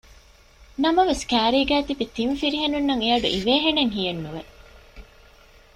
ނަމަވެސް ކައިރީގައި ތިބި ތިން ފިރިހެނުންނަށް އެއަޑު އިވޭ ހެނެއް ހިޔެއްނުވެ